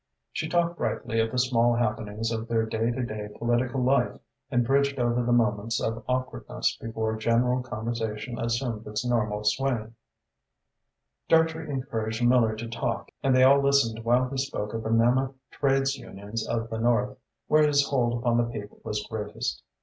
She talked brightly of the small happenings of their day by day political life and bridged over the moments of awkwardness before general conversation assumed its normal swing. Dartrey encouraged Miller to talk and they all listened while he spoke of the mammoth trades unions of the north, where his hold upon the people was greatest.